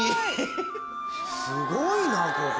すごいなここ。